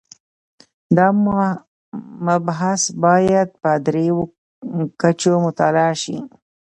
دا مبحث باید په درېیو کچو مطالعه شي.